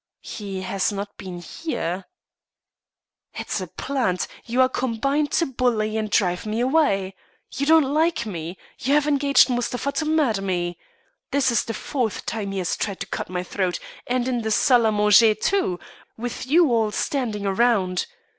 "] "He has not been here." "It's a plant. You are combined to bully me and drive me away. You don't like me. You have engaged Mustapha to murder me. This is the fourth time he has tried to cut my throat, and in the salle à manger, too, with you all standing round.